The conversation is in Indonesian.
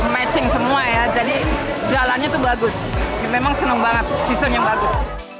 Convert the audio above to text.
matching semua ya jadi jalannya itu bagus memang senang banget sistem yang bagus